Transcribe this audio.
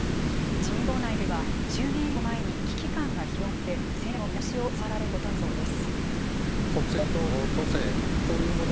自民党内では、衆議院選挙を前に危機感が広がっていて、戦略の見直しを迫られることになりそうです。